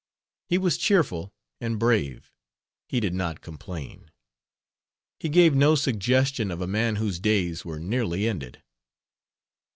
He was cheerful and brave. He did not complain. He gave no suggestion of a man whose days were nearly ended.